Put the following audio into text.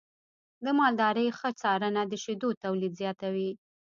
د مالدارۍ ښه څارنه د شیدو تولید زیاتوي.